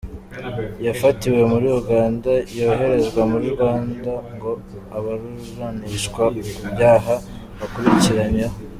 Yafatiwe muri Uganda yoherezwa mu Rwanda ngo aburanishwe ku byaha akurikiranyweho.